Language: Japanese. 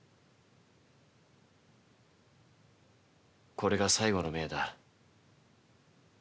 これが最後の命だ。